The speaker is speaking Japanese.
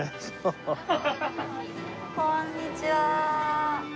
こんにちは。